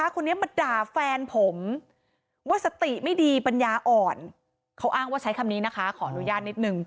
เขาอ้างว่าใช้คำนี้นะคะขออนุญาตนิดนึง